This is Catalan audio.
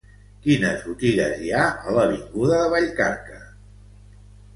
Quines botigues hi ha a l'avinguda de Vallcarca?